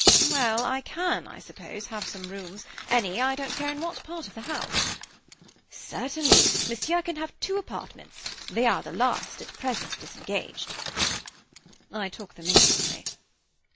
"Well, I can, I suppose, have some rooms, any, I don't care in what part of the house?" "Certainly, Monsieur can have two apartments. They are the last at present disengaged." I took them instantly.